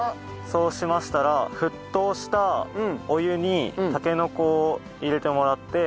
そうしましたら沸騰したお湯にたけのこを入れてもらって。